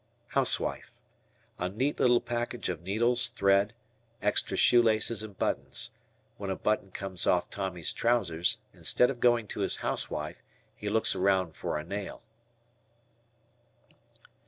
"Housewife." A neat little package of needles, thread, extra shoelaces, and buttons. When a button comes off Tommy's trousers, instead of going to his housewife he looks around for a nail.